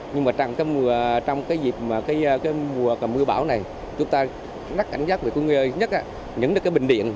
nhưng mà trong cái mùa mưa bão này chúng ta rất ảnh giác về những cái bình điện